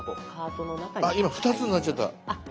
あっ今２つになっちゃった！